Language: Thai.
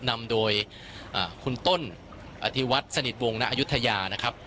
นำโดยอ่าคุณต้นอธิวัตรสนิทวงศ์นะครับ